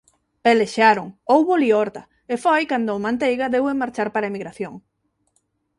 Pelexaron, houbo liorta, e foi cando o Manteiga deu en marchar para a emigración.